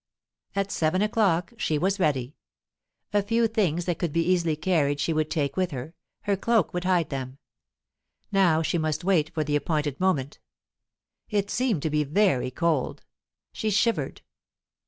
At seven o'clock she was ready. A very few things that could be easily carried she would take with her; her cloak would hide them. Now she must wait for the appointed moment. It seemed to be very cold; she shivered.